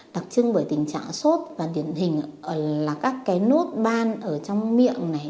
đặc trưng bởi tình trạng sốt và điển hình là các cái nốt ban ở trong miệng này